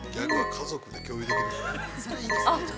◆家族で共有できるって。